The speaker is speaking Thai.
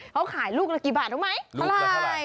เขาขายลูกละกี่บาทเท่าไร